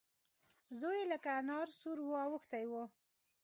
زوی يې لکه انار سور واوښتی و.